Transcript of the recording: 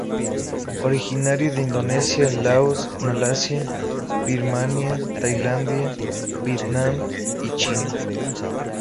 Originaria de Indonesia, Laos, Malasia, Birmania, Tailandia, Vietnam y China.